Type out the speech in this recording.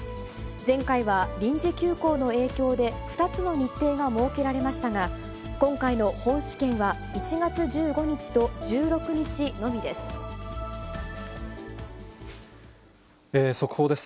前回は臨時休校の影響で、２つの日程が設けられましたが、今回の本試験は、１月１５日と１６日のみです。